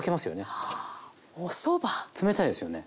冷たいですよね。